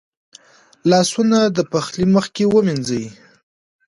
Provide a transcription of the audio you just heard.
لاسونه د پخلي مخکې ومینځئ.